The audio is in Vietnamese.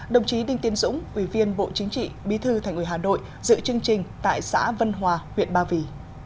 đồng chí đinh tiên dũng ủy viên bộ chính trị bí thư thành ủy hà nội dự chương trình tại xã vân hòa huyện ba vì